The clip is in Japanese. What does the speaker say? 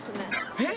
えっ？